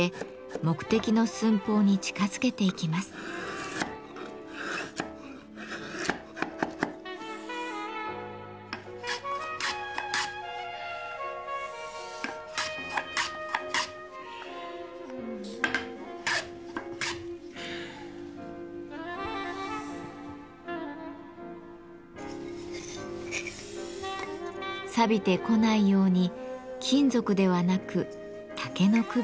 さびてこないように金属ではなく竹のくぎで板を留めます。